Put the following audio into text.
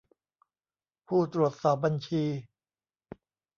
ผู้ตรวจสอบบัญชี